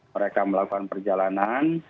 mereka melakukan perjalanan